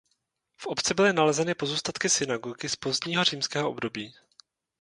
V obci byly nalezeny pozůstatky synagogy z pozdního římského období.